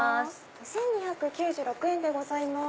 １２９６円でございます。